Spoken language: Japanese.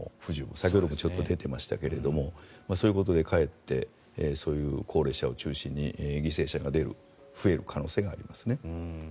先ほどもちょっと出ていましたがそういうことでかえってそういう高齢者を中心に犠牲者が出る、増える可能性がありますね。